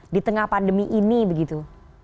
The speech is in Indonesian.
di tengah pandemi ini begitu